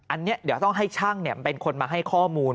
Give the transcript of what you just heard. อันนี้เดี๋ยวต้องให้ช่างเป็นคนมาให้ข้อมูล